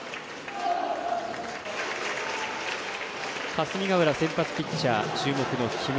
霞ヶ浦、先発ピッチャー注目の木村。